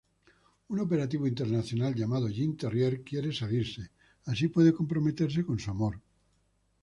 Un operativo internacional llamado Jim Terrier quiere salirse, así puede comprometerse con su amor.